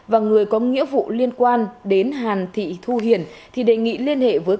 và người có nghĩa vụ liên quan đến hàn thị thu hiền thì đề nghị liên hệ với